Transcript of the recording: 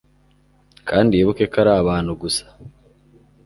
kandi yibuke ko ari abantu gusa